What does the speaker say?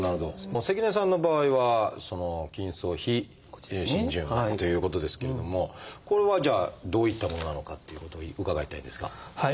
もう関根さんの場合は筋層非浸潤がんということですけれどもこれはじゃあどういったものなのかっていうことを伺いたいんですが。